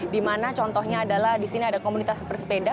di mana contohnya adalah di sini ada komunitas pesepeda